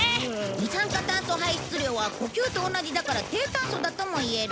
二酸化炭素排出量は呼吸と同じだから低炭素だともいえる。